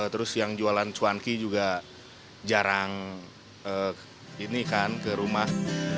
terus yang jualan cuanki juga jarang ini kan ke rumah